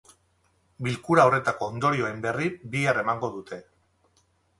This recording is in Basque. Bilkura horretako ondorioen berri bihar emango dute.